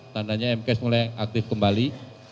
tandanya m cache mulai aktif kembali